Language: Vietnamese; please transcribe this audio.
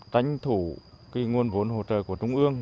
tánh thủ nguồn vốn hộ trợ của trung ương